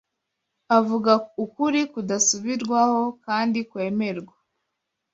Avuga ukuri kudasubirwaho kandi kwemerwa